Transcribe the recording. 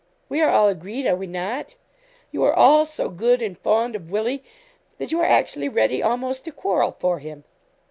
'We are all agreed, are not we? You are all so good, and fond of Willie, that you are actually ready almost to quarrel for him.'